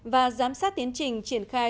và giám sát tiến trình triển khai